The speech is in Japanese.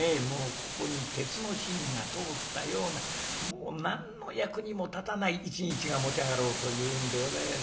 ここに鉄の芯が通ったようなもう何の役にも立たない一日が持ち上がろうというんでございます。